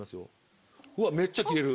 めっちゃ切れる！